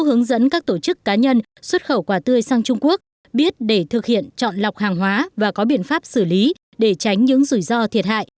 hướng dẫn các tổ chức cá nhân xuất khẩu quả tươi sang trung quốc biết để thực hiện chọn lọc hàng hóa và có biện pháp xử lý để tránh những rủi ro thiệt hại